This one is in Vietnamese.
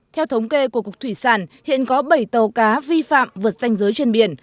theo thống kê của cục thủy sản hiện có bảy tàu cá vi phạm vượt danh giới trên biển